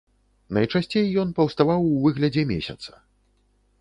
Найчасцей ён паўставаў у выглядзе месяца.